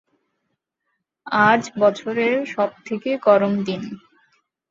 আজ বছরের সব থেকে গরম দিন।